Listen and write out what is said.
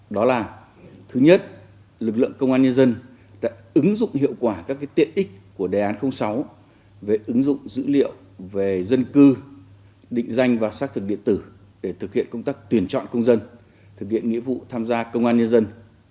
đó là thứ nhất lực lượng công an nhân dân đã ứng dụng hiệu quả các tiện ích của đề án sáu về ứng dụng dữ liệu về dân cư định danh và xác thực điện tử để thực hiện công tác tuyển chọn công dân thực hiện nghĩa vụ tham gia công an nhân dân